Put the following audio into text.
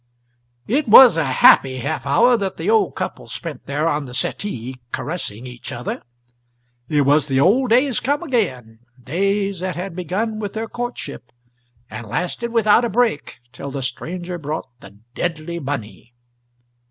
It was a happy half hour that the couple spent there on the settee caressing each other; it was the old days come again days that had begun with their courtship and lasted without a break till the stranger brought the deadly money.